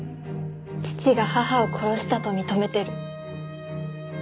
父が母を殺したと認めてる。